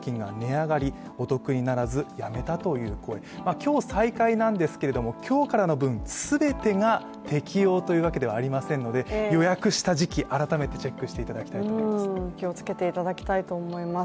今日再開なんですが、今日からの分全てが適用というわけではありませんので、予約した時期、改めてチェックしていただきたいと思います。